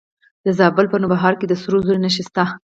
د زابل په نوبهار کې د سرو زرو نښې شته.